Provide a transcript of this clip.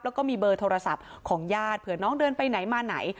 แล้วก็มีเบอร์โทรศัพท์ของญาติเผื่อน้องเดินไปไหนมาไหน